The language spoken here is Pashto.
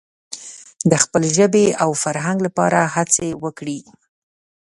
د خپلې ژبې او فرهنګ لپاره هڅې وکړي.